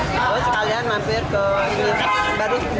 lalu sekalian mampir ke ini